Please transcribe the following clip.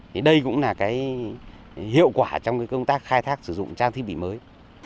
thì đây cũng là cái hiệu quả trong cái công tác khai thác sử dụng trang thiết bị mới